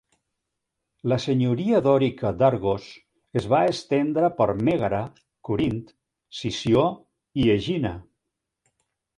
La senyoria dòrica d'Argos es va estendre per Mègara, Corint, Sició i Egina.